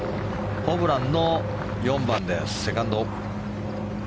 ホブランの４番、セカンド。